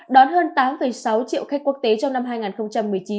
đón hơn tám sáu triệu khách quốc tế trong năm hai nghìn một mươi chín